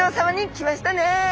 来ましたね！